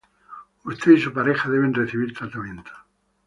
Usted y su pareja deben recibir tratamiento.